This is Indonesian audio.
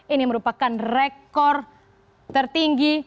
ini merupakan rekor tertinggi